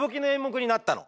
なったの？